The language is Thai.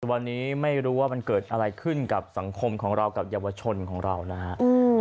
วันนี้ไม่รู้ว่ามันเกิดอะไรขึ้นกับสังคมของเรากับเยาวชนของเรานะฮะ